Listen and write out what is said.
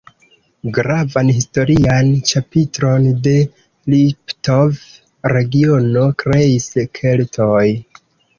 Gravan historian ĉapitron de Liptov-regiono kreis Keltoj.